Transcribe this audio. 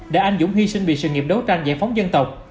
đã anh dũng hy sinh vì sự nghiệp đấu tranh giải phóng dân tộc